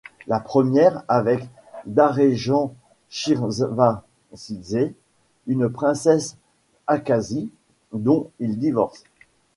La première avec Darejan Chirvachidzé, une princesse d'Abkhazie, dont il divorce.